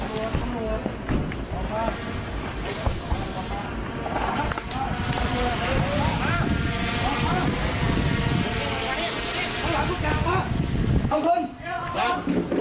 สำนำสำนำสำเลย